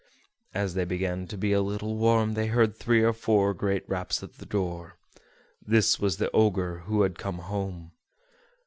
As they began to be a little warm they heard three or four great raps at the door; this was the Ogre, who had come home.